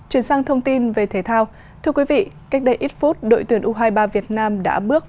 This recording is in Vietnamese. chuyển sang thông tin về thể thao thưa quý vị cách đây ít phút đội tuyển u hai mươi ba việt nam đã bước